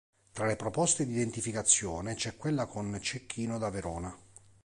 Tra le proposte di identificazione c'è quella con Cecchino da Verona.